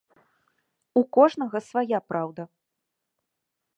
У кожнага свая праўда.